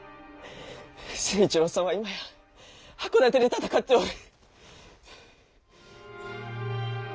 成一郎さんは今や箱館で戦っておる。